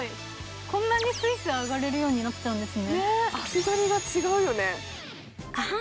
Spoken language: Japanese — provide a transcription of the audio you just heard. こんなにスイスイ上がれるようになっちゃうんですね。